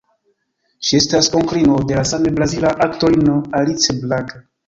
Ŝi estas onklino de la same brazila aktorino Alice Braga.